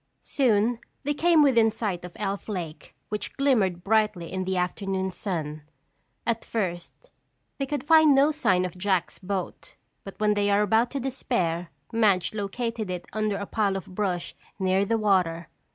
Soon they came within sight of Elf Lake which glimmered brightly in the afternoon sun. At first they could find no sign of Jack's boat but when they were about to despair Madge located it under a pile of brush near the water.